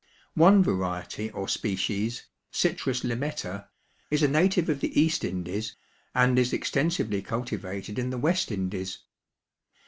One variety or species, (Citrus lemetta), is a native of the East Indies and is extensively cultivated in the West Indies.